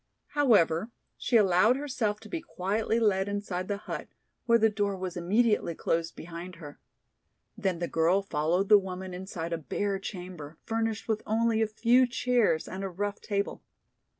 However, she allowed herself to be quietly led inside the hut, where the door was immediately closed behind her. Then the girl followed the woman inside a bare chamber, furnished with only a few chairs and a rough table.